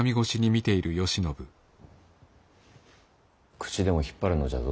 口でも引っ張るのじゃぞ。